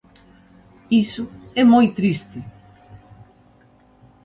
¡Iso é moi triste!